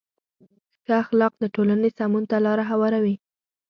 ښه اخلاق د ټولنې سمون ته لاره هواروي.